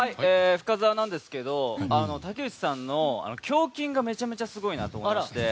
深澤なんですけど竹内さんの胸筋がめちゃめちゃすごいなと思いまして。